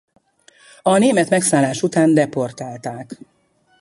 A német megszállás után deportálták.